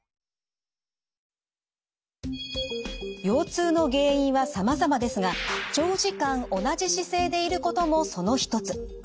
腰痛の原因はさまざまですが長時間同じ姿勢でいることもその一つ。